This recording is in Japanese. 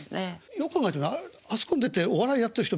よく考えるとあそこに出てお笑いやってる人